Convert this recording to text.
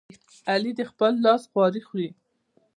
علي د خپل لاس خواري خوري.